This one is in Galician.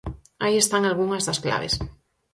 Aí están algunhas das claves.